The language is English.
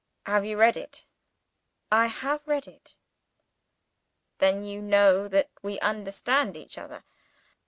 "Have you read it?" "I have read it." "Then you know that we understand each other?"